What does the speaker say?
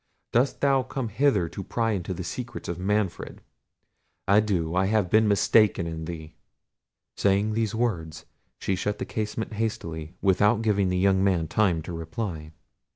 Dost thou come hither to pry into the secrets of Manfred? Adieu. I have been mistaken in thee." Saying these words she shut the casement hastily, without giving the young man time to reply.